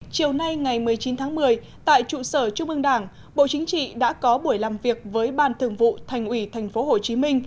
chiều nay ngày một mươi chín tháng một mươi tại trụ sở trung ương đảng bộ chính trị đã có buổi làm việc với ban thường vụ thành ủy tp hcm